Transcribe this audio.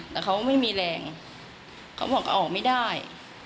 แต่เขาไม่มีแรงเขาบอกก็ออกไม่ได้